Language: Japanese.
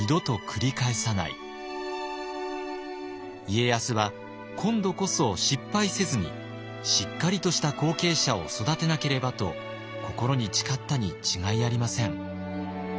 家康は今度こそ失敗せずにしっかりとした後継者を育てなければと心に誓ったに違いありません。